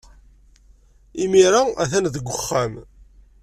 Imir-a, a-t-an deg uxxam.